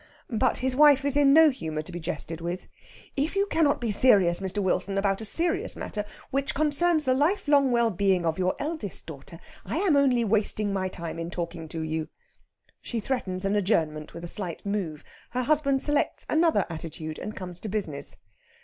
But his wife is in no humour to be jested with. "If you cannot be serious, Mr. Wilson, about a serious matter, which concerns the lifelong well being of your eldest daughter, I am only wasting my time in talking to you." She threatens an adjournment with a slight move. Her husband selects another attitude, and comes to business.